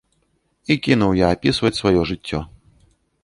І кінуў я апісваць сваё жыццё.